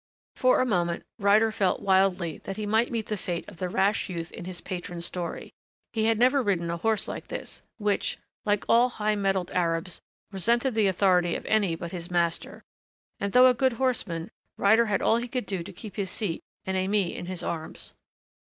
For a moment Ryder felt wildly that he might meet the fate of the rash youth in his patron story. He had never ridden a horse like this, which, like all high mettled Arabs, resented the authority of any but his master, and though a good horseman Ryder had all he could do to keep his seat and Aimée in his arms.